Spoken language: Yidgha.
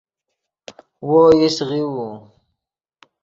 وو ایست غیؤو